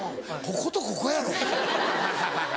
こことここやろ。